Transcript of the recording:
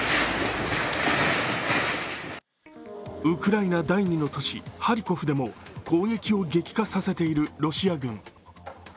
ウクライナ第２の都市、ハリコフでも攻撃を激化させているロシア軍。